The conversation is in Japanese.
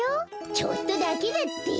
ちょっとだけだって。